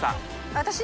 私？